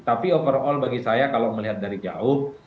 tapi overall bagi saya kalau melihat dari jauh